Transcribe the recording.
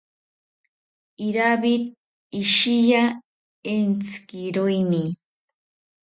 Iravid ishiya entzikiroeni